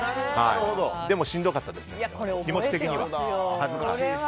でも、しんどかったですね